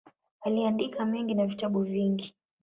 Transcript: Aliandika mengi na vitabu vingi.